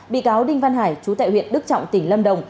bị cáo đinh văn hải chú tại huyện đức trọng tỉnh lâm đồng